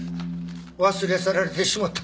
忘れ去られてしもうた。